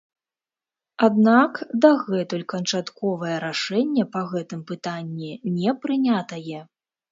Аднак дагэтуль канчатковае рашэнне па гэтым пытанні не прынятае.